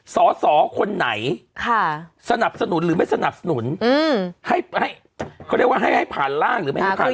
สอสอคนไหนสนับสนุนหรือไม่สนับสนุนให้เขาเรียกว่าให้ผ่านร่างหรือไม่ให้ผ่าน